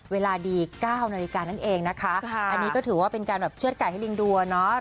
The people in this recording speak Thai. เวลาดี๙นาฬิกานั่นเองนะคะอันนี้ก็ถือว่าเป็นการแบบเชื่อดไก่ให้ลิงดูอะเนาะ